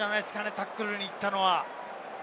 タックルに行ったのは。